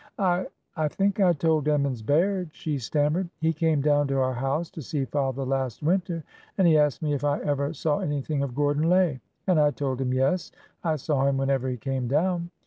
I — I think I told Emmons Baird," she stammered. '' He came down to our house to see father last winter, and he asked me if I ever saw anything of Gordon Lay, and I told him yes, I saw him whenever he came down.